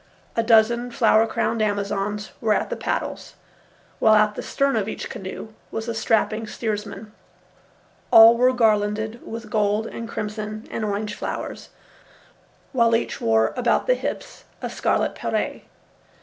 A dozen flower crowned Amazons were at the paddles, while at the stern of each canoe was a strapping steersman. All were garlanded with gold and crimson and orange flowers, while each wore about the hips a scarlet pareu.